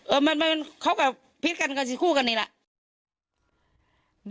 เออมันค่อยแบบพิษกันคู่กันนี่แหละ